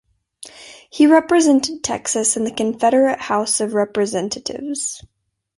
He represented Texas in the Confederate House of Representatives.